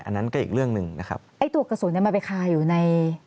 อันนั้นก็อีกเรื่องหนึ่งนะครับไอ้ตัวกระสุนเนี้ยมันไปคาอยู่ใน